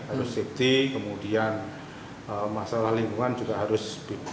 harus safety kemudian masalah lingkungan juga harus